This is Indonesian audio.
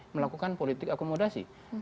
melakukan politik akomodasi